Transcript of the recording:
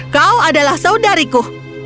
kau adalah saudariku